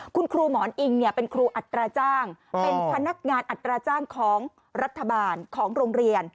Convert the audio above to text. คุณครูหมอนอิงเป็นครูอัตราจ้างเป็นพนักงานอัตราจ้างของรัฐบาลของโรงเรียน